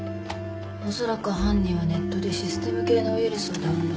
おそらく犯人はネットでシステム系のウイルスをダウンロードした。